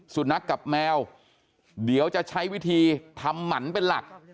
สุนัขกับแมวเดี๋ยวจะใช้วิธีทำหมันเป็นหลัก